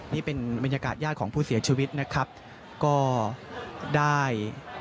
นี่เป็นบรรยากาศญาติของผู้เสียชีวิตนะครับก็ได้